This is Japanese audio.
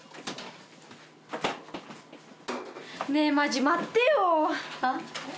ねえマジ待ってよ！